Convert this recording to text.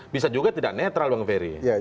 bisa juga tidak netral bang ferry